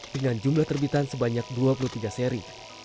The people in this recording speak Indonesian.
dengan jumlah terbitan sebanyak dua puluh tiga seri